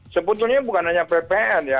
sebetulnya bukan hanya ppn ya